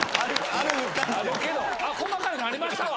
「あ細かいのありましたわ」